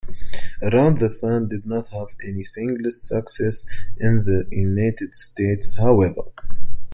"Around the Sun" did not have any singles success in the United States, however.